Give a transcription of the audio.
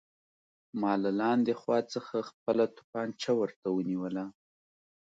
ما له لاندې خوا څخه خپله توپانچه ورته ونیوله